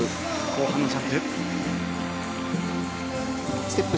後半のジャンプ。